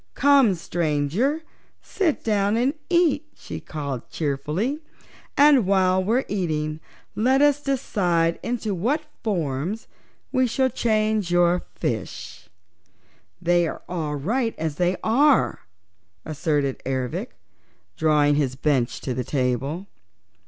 "Come, Stranger, sit down and eat," she called cheerfully, "and while we're eating let us decide into what forms we shall change your fishes." "They're all right as they are," asserted Ervic, drawing up his bench to the table.